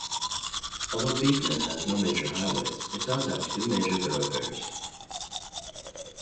Although Beekman has no major highways, it does have two major thoroughfares.